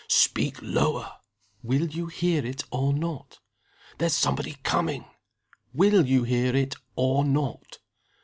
"Speak lower!" "Will you hear it, or not?" "There's somebody coming!" "Will you hear it, or not?"